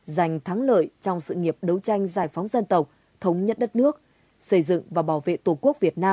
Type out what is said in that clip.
giành thắng lợi trong sự chiến đấu